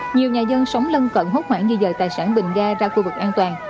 nhiều nhà dân sống lân cận hốt hoảng di dời tài sản bình ga ra khu vực an toàn